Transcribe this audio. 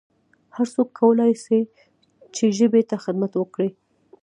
هرڅوک کولای سي چي ژبي ته خدمت وکړي